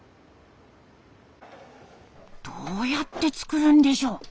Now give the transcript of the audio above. どうやって作るんでしょう？